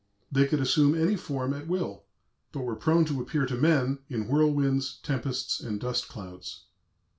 They could assume any form at will, but were prone to appear to men in whirlwinds, tempests, and dust clouds.